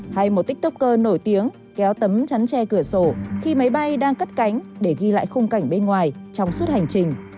hay một tiktoker nổi tiếng kéo tấm chắn tre cửa sổ khi máy bay đang cất cánh để ghi lại khung cảnh bên ngoài trong suốt hành trình